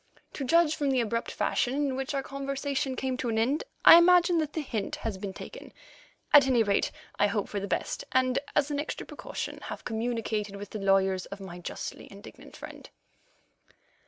To judge from the abrupt fashion in which our conversation came to an end, I imagine that the hint has been taken. At any rate, I hope for the best, and, as an extra precaution, have communicated with the lawyers of my justly indignant friend.